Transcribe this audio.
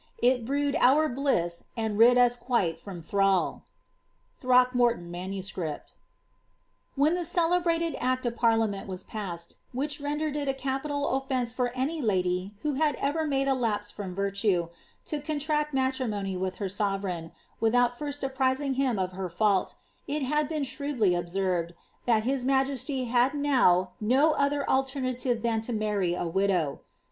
It brewed our bliss, and rid us quite from thrall.*' Throckmorton MS. When the celebrated act of parliament was passed, which rendered it a capital oflence for any lady who had ever made a lapse from virtue, to contract matrimony with her sovereign, without first apprising him of her fault, it had been shrewdly observed, that his mujesty had now BO other alternative than to marry a widow.